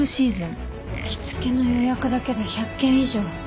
着付けの予約だけで１００件以上。